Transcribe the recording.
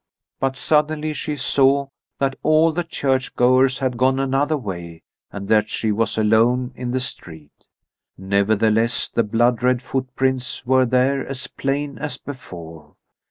But suddenly she saw that all the church goers had gone another way and that she was alone in the street. Nevertheless, the blood red footprints were there as plain as before.